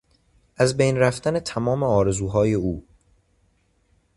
از بین رفتن تمام آرزوهای او